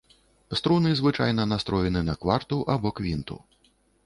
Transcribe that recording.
Струны звычайна настроены на кварту або квінту.